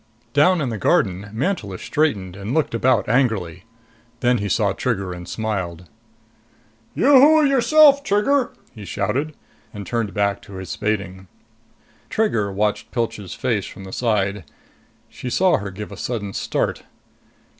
Down in the garden, Mantelish straightened and looked about angrily. Then he saw Trigger and smiled. "Yoo hoo yourself, Trigger!" he shouted, and turned back to his spading. Trigger watched Pilch's face from the side. She saw her give a sudden start.